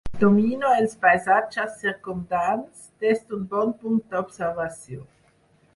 Domino els paisatges circumdants des d'un bon punt d'observació.